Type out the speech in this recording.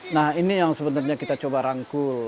nah ini yang sebenarnya kita coba rangkul